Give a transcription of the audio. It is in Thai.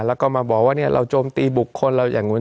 แล้วก็มาบอกว่าเราจงตีปุกคนแล้วอย่างนู้น